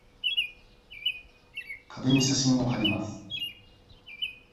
壁に写真をはります。